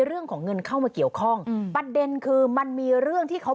เรื่องของเงินเข้ามาเกี่ยวข้องอืมประเด็นคือมันมีเรื่องที่เขา